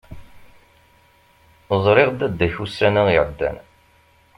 Ẓriɣ dadda-k ussan-a iεeddan.